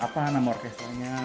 apa nama orkestranya